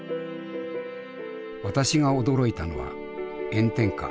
私が驚いたのは炎天下